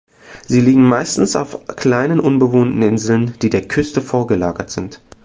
Sie liegen meistens auf kleinen unbewohnten Inseln, die der Küste vorgelagert sind.